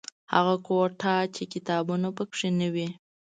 هغه کوټه چې کتابونه پکې نه وي.